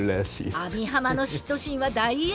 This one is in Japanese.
網浜の嫉妬心は大炎上。